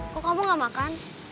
kok kamu gak makan